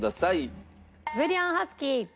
シベリアン・ハスキー。